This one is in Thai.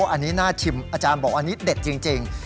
อันนี้น่าชิมอาจารย์บอกอันนี้เด็ดจริง